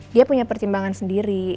dia punya pertimbangan sendiri